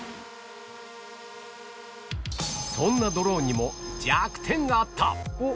そんなドローンにも弱点があった。